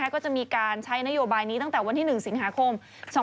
ก็จะมีการใช้นโยบายนี้ตั้งแต่วันที่๑สิงหาคม๒๕๖